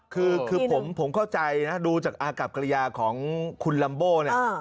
คือผมเข้าใจนะดูจากอากับกริยาของคุณลัมโบ้เนี่ย